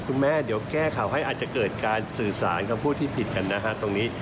คุณแม่เดี๋ยวแก้ข่าวให้อาจจะเกิดการสื่อสารคำพูดที่ผิดกันนะฮะตรงนี้